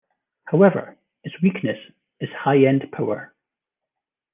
However, its weakness is high-end power.